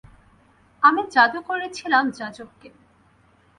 আমি জাদু করেছিলাম যাজক কে।